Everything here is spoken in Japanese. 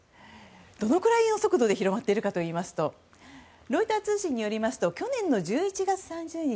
どのくらいの速度で広まっているのかというとロイター通信によりますと去年の１１月３０日